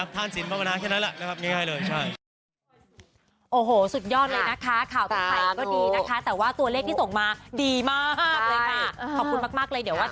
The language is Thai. ท่านศิลปะปะนะแค่นั้นแหละ